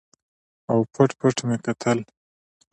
او پټ پټ مې کتل.